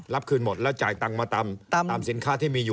คืนหมดแล้วจ่ายตังค์มาตามสินค้าที่มีอยู่